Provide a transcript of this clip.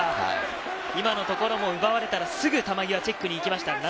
今のところも奪われたらすぐ球際のチェックに行きました。